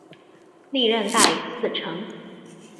历任大理寺丞。